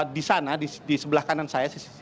di sana di sebelah kanan saya